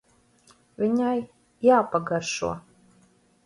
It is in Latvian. Viņai jāpagaršo.